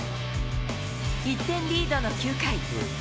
１点リードの９回。